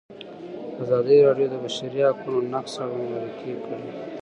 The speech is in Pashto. ازادي راډیو د د بشري حقونو نقض اړوند مرکې کړي.